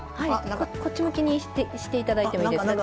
こっち向きにして頂いてもいいです？